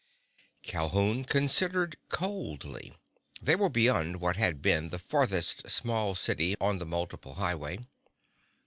V Calhoun considered coldly. They were beyond what had been the farthest small city on the multiple highway.